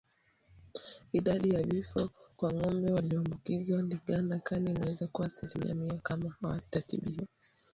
Idadi ya vifo kwa ngombe walioambukizwa ndigana kali inaweza kuwa asilimia mia kama hawatatibiwa